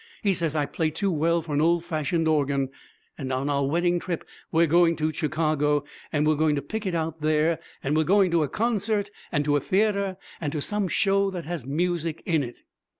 He says I play too well for an old fashioned organ. And on our wedding trip we're going to Chicago, and we're going to pick it out there, and we're going to a concert and to a theatre and to some show that has music in it.'